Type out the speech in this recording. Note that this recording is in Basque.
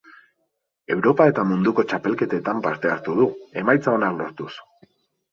Europa eta Munduko txapelketetan parte hartu du, emaitza onak lortuz.